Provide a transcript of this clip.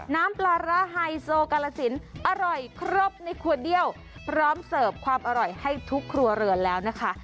น้ำปลาร้าไฮโซกาลสินอร่อยครบในขวดเดียวพร้อมเสิร์ฟความอร่อยให้ทุกครัวเรือนแล้วนะคะ